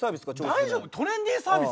大丈夫？トレンディーサービス？